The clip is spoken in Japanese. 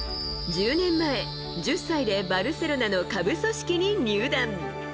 １０年前、１０歳でバルセロナの下部組織に入団。